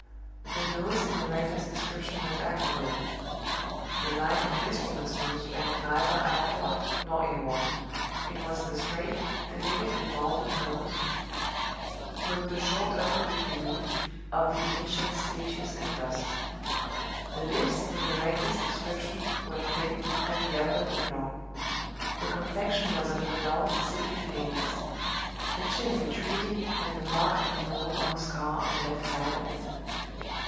The nose in the rector's description was aquiline. The line of this woman's nose bent neither outward nor inward: it was the straight, delicately molded nose (with the short upper lip beneath) of the ancient statues and busts. The lips in the rector's description were thin and the upper lip long; the complexion was of a dull, sickly paleness; the chin retreating and the mark of a mole or a scar on the left side of it.